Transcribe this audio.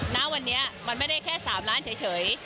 ณวันนี้มันไม่ได้แค่๓ล้านเฉย